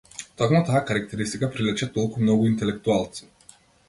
Токму таа карактеристика привлече толку многу интелектуалци.